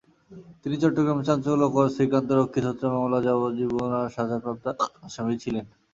তিনি চট্টগ্রামে চাঞ্চল্যকর শ্রীকান্ত রক্ষিত হত্যা মামলার যাবজ্জীবন সাজাপ্রাপ্ত আসামি ছিলেন।